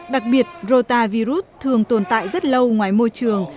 đặc biệt rô te virus thường tồn tại rất lâu ngoài môi trường